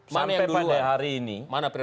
sampai pada hari ini